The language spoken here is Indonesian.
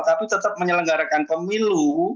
tapi tetap menyelenggarakan pemilu